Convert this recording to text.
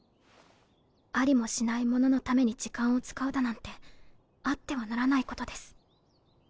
ありもしないもののために時間を使うだなんてあってはならないことです。